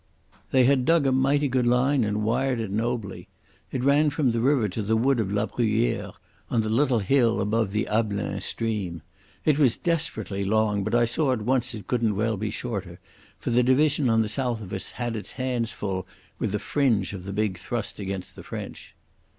They had dug a mighty good line and wired it nobly. It ran from the river to the wood of La Bruyere on the little hill above the Ablain stream. It was desperately long, but I saw at once it couldn't well be shorter, for the division on the south of us had its hands full with the fringe of the big thrust against the French.